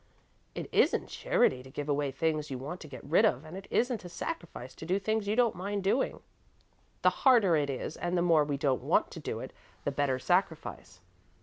It isn't charity to give away things you want to get rid of and it isn't a sacrifice to do things you don't mind doing. The harder it is and the more we don't want to do it, the better sacrifice."